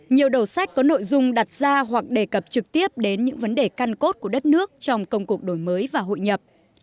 nhiều đầu sách có nội dung đặt ra hoặc đề cập trực tiếp đến những vấn đề căn cốt của đất nước trong công cuộc đổi mới và hội nhập